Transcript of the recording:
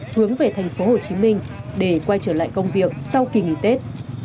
hướng về thành phố hồ chí minh để quay trở lại công việc sau kỳ nghỉ tết